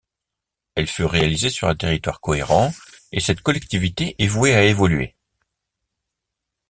Elle fut réalisée sur un territoire cohérent et cette collectivité est vouée à évoluer.